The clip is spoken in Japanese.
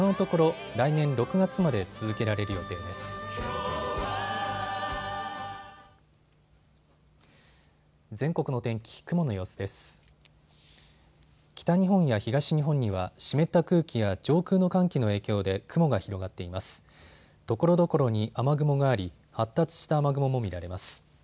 ところどころに雨雲があり発達した雨雲も見られます。